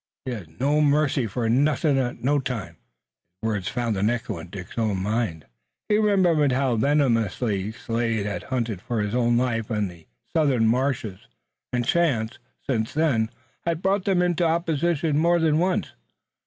He hez no mercy fur nuthin' at no time." His words found an echo in Dick's own mind. He remembered how venomously Slade had hunted for his own life in the Southern marshes, and chance, since then, had brought them into opposition more than once.